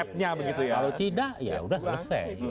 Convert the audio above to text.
kalau tidak ya sudah selesai